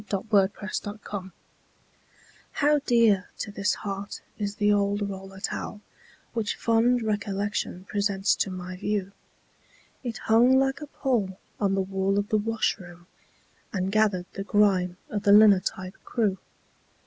THE OLD ROLLER TOWEL How dear to this heart is the old roller towel Which fond recollection presents to my view. It hung like a pall on the wall of the washroom, And gathered the grime of the linotype crew.